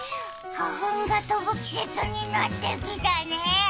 花粉が飛ぶ季節になってきたね。